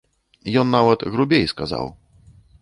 Ён нават грубей сказаў.